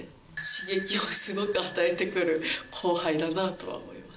刺激をすごく与えてくる後輩だなとは思いますね。